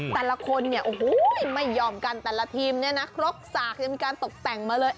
แต่ละคนเนี่ยโอ้โหไม่ยอมกันแต่ละทีมเนี่ยนะครบสากยังมีการตกแต่งมาเลย